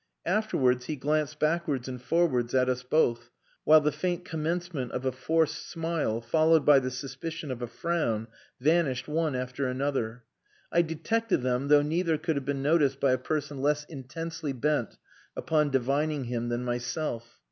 Afterwards he glanced backwards and forwards at us both, while the faint commencement of a forced smile, followed by the suspicion of a frown, vanished one after another; I detected them, though neither could have been noticed by a person less intensely bent upon divining him than myself.